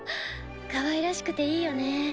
かわいらしくていいよねぇ。